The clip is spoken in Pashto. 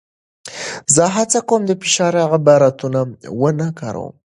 زه هڅه کوم د فشار عبارتونه ونه کاروم.